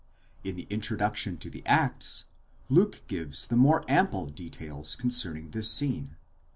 In the introduction to the Acts, Luke gives more ample details concerning this scene.